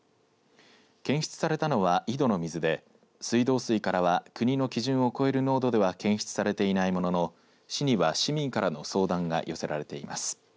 検出されたのは井戸の水で水道水からは国の基準を超える濃度では検出されていないものの市には市民からの相談が寄せられています。